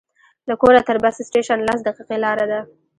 له کوره تر بس سټېشن لس دقیقې لاره ده.